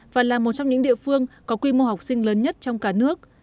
và là một trong những địa phương có quy mô học sinh lớn nhất trong cả nước